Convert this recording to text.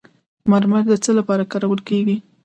مرمر د څه لپاره کارول کیږي؟